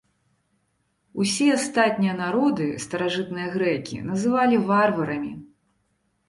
Усе астатнія народы старажытныя грэкі называлі варварамі.